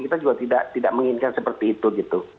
kita juga tidak menginginkan seperti itu gitu